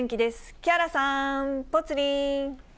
木原さん、ぽつリン。